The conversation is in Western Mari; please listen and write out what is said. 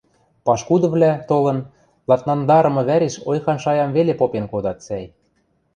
Пашкудывлӓ, толын, ладнангдарымы вӓреш ойхан шаям веле попен кодат, сӓй.